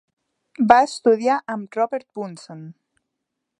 Va estudiar amb Robert Bunsen.